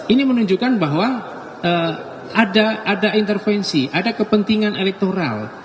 ini menunjukkan bahwa ada intervensi ada kepentingan elektoral